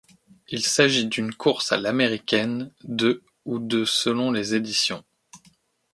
Il s'agit d'une course à l'américaine de ou de selon les éditions.